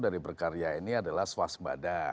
dari perkarya ini adalah swasembada